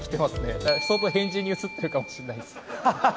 だから、相当変人に映っているかもしれないです。